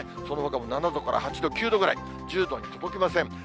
そのほかも７度から８度、９度ぐらい、１０度に届きません。